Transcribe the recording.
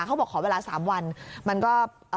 เขาบอกขอเวลา๓วันมันก็